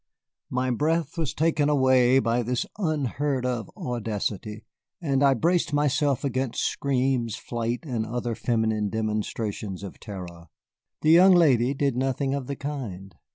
My breath was taken away by this unheard of audacity, and I braced myself against screams, flight, and other feminine demonstrations of terror. The young lady did nothing of the kind.